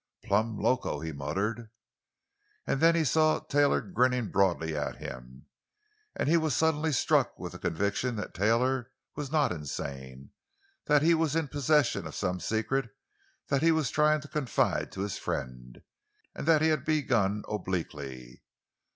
"Plumb loco!" he muttered. And then he saw Taylor grinning broadly at him; and he was suddenly struck with the conviction that Taylor was not insane; that he was in possession of some secret that he was trying to confide to his friend, and that he had begun obliquely.